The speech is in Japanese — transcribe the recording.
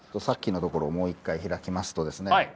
さっきのところをもう一回開きますとですね